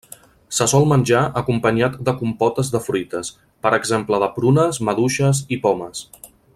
Se sol menjar acompanyat de compotes de fruites, per exemple de prunes, maduixes i pomes.